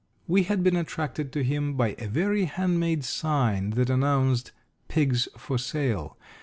We had been attracted to him by a very hand made sign that announced "Pigs for Sale."